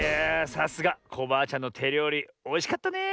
さすがコバアちゃんのてりょうりおいしかったねえ。